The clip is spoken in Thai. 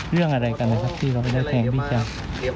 เรื่องอะไรกันนะครับที่เราไม่ได้แทงพี่แจ๊ค